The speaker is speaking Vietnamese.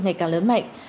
ngày càng lớn mạnh